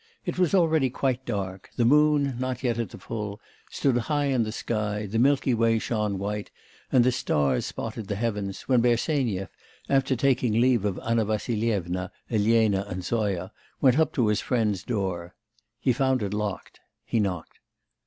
It was already quite dark; the moon not yet at the full stood high in the sky, the milky way shone white, and the stars spotted the heavens, when Bersenyev, after taking leave of Anna Vassilyevna, Elena, and Zoya, went up to his friend's door. He found it locked. He knocked.